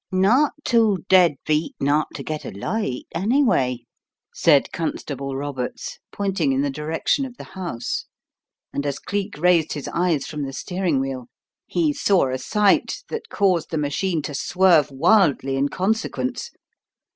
"Not too dead beat not to get a light, anyway," said Inspector Roberts, pointing in the direction of the house, and as Cleek raised his eyes from the steering wheel he saw a sight that caused the machine In the Dark 35 to swerve wildly in consequence.